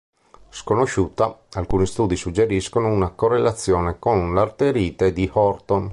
Sconosciuta, alcuni studi suggeriscono una correlazione con l'arterite di Horton.